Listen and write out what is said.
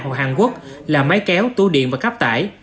hoặc hàn quốc là máy kéo tủ điện và cắp tải